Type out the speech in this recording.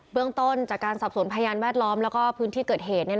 เรื่องต้นจากการสอบสวนพยานแวดล้อมแล้วก็พื้นที่เกิดเหตุ